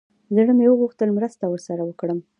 زړه مې وغوښتل مرسته ورسره وکړم.